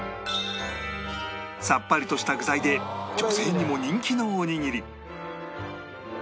さっぱりとした具材で女性にも人気のおにぎり